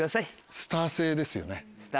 スター性ですよね。